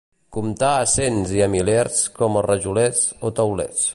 Comptar a cents i a milers com els rajolers o teulers.